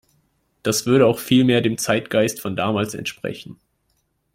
Das würde auch viel mehr dem Zeitgeist von damals entsprechen.